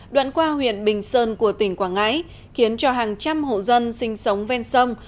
đoạn qua huyện bình sơn của tỉnh quảng ngãi khiến cho hàng trăm hộ dân sinh sống ven sông